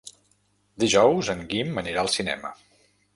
Dijous en Guim anirà al cinema.